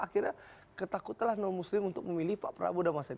akhirnya ketakutlah non muslim untuk memilih pak prabowo dan masyid